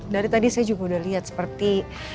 dari tadi saya juga udah lihat seperti